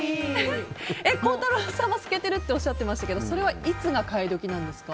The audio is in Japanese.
孝太郎さんも透けてるっておっしゃってましたけどそれはいつが替え時なんですか？